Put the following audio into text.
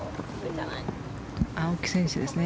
青木選手ですね。